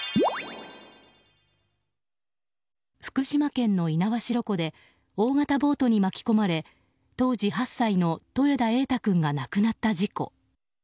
福島県の猪苗代湖で大型ボートに巻き込まれ当時８歳の豊田瑛大君が亡くなった事故。